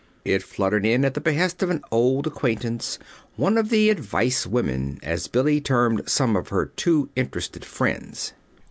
It fluttered in at the behest of an old acquaintance one of the "advice women," as Billy termed some of her too interested friends.